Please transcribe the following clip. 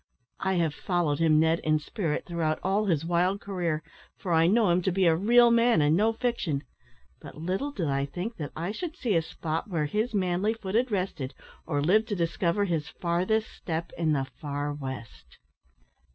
I have followed him, Ned, in spirit, throughout all his wild career, for I knew him to be a real man, and no fiction; but little did I think that I should see a spot where his manly foot had rested, or live to discover his farthest step in the `far west!'"